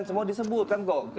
semua disebut kan kok